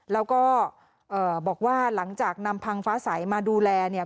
แล้วก็บอกว่าหลังจากนำพังฟ้าใสมาดูแลเนี่ย